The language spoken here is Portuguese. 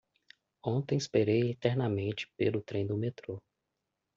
Ontem esperei eternamente pelo trem do metrô.